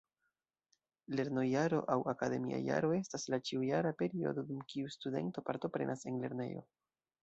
Lernojaro aŭ akademia jaro estas la ĉiujara periodo dum kiu studento partoprenas en lernejo.